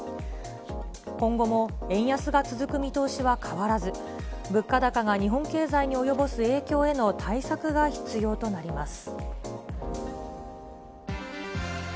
今後も円安が続く見通しは変わらず、物価高が日本経済に及ぼす影響への対策が必要となります。